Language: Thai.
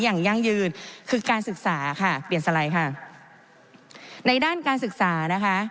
ยั่งยืนคือการศึกษาค่ะเปลี่ยนสไลด์ค่ะในด้านการศึกษานะคะ